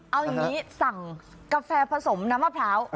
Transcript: เอาอย่างนี้สั่งกาแฟผสมน้ำมะพร้าว